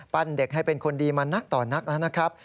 เด็กให้เป็นคนดีมานักต่อนักแล้วนะครับ